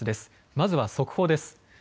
まずは速報です。